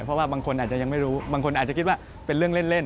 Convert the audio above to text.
เพราะว่าบางคนอาจจะยังไม่รู้บางคนอาจจะคิดว่าเป็นเรื่องเล่น